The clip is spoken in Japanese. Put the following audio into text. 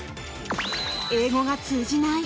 英語が通じない！